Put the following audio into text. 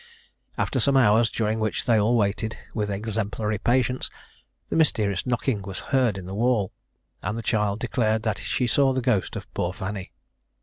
After some hours, during which they all waited with exemplary patience, the mysterious knocking was heard in the wall, and the child declared that she saw the ghost of poor Fanny.